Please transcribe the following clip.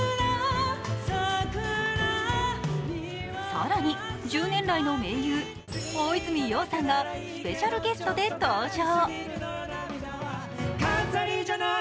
更に１０年来の盟友・大泉洋さんがスペシャルゲストで登場。